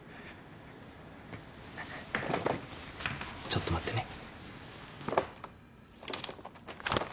ちょっと待ってね。